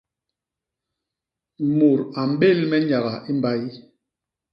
Mut a mbél me nyaga i mbay.